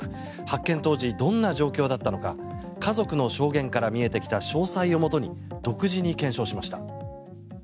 発見当時、どんな状況だったのか家族の証言から見えてきた詳細をもとに独自に検証しました。